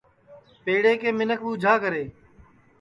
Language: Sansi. پیڑے کے منکھ ٻوجھا کرے